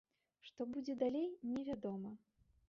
Што будзе далей, невядома.